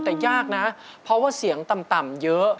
แต่ยากนะเพราะว่าเสียงต่ำเยอะ